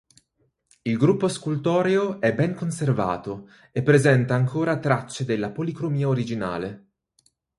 Il gruppo scultoreo è ben conservato e presenta ancora tracce della policromia originale.